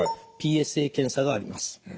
ＰＳＡ検査があります。